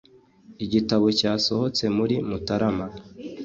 igitabo cyasohotse muri mutarama